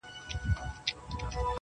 ټول مي په یوه یوه هینده پر سر را واړول،